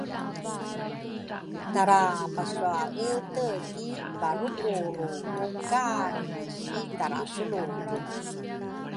Tara paswaete ki varukuru ku kaange si tarasuludru